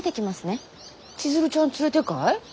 千鶴ちゃん連れてかい？